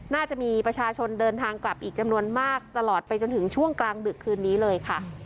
น่าจะมีประชาชนเดินทางกลับอีกจำนวนมากตลอดไปจนถึงช่วงกลางดึกคืนนี้เลยค่ะ